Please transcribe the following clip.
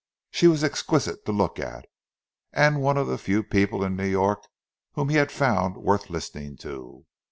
She was exquisite to look at, and one of the few people in New York whom he had found worth listening to.